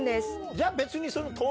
じゃ別に。